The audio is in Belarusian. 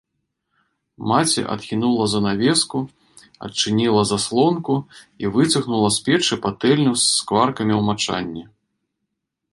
Маці адхінула занавеску, адчыніла заслонку і выцягнула з печы патэльню з скваркамі ў мачанні.